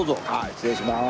失礼します。